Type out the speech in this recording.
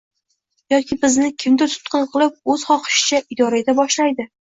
yoki bizni kimdir tutqun qilib o‘z xohishicha idora eta boshlaydi.